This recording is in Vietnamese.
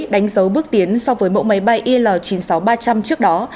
đánh dấu bước tiến so với mẫu máy bay il chín mươi sáu nghìn ba trăm linh trước đó